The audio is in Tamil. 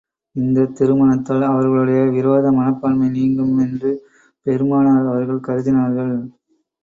இந்தத் திருமணத்தால், அவர்களுடைய விரோத மனப்பான்மை நீங்கும் என்று பெருமானார் அவர்கள் கருதினார்கள்.